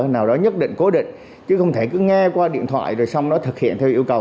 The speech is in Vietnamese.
nào đó nhất định cố định chứ không thể cứ nghe qua điện thoại rồi xong nó thực hiện theo yêu cầu